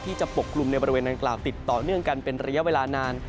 จะปกกลุ่มในบริเวณนางกล่าวติดต่อเนื่องกันเป็นระยะเวลานาน